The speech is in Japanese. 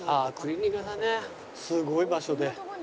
すごい場所で。